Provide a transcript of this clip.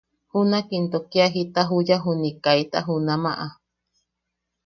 Junak into kia jita juya juniʼi kaita junamaʼa.